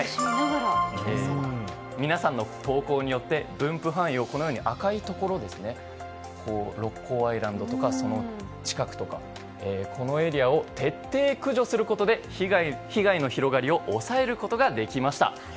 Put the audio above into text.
皆さんの投稿によって分布範囲を赤いところ六甲アイランドとかその近くとかこのエリアを徹底的駆除することで被害の広がりを抑えることができました。